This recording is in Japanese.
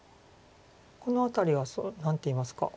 この辺りは何ていいますか。